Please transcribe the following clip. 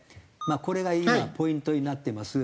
これが今ポイントになってます。